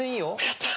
やった。